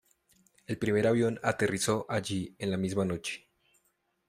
El primer avión aterrizó allí en la misma noche.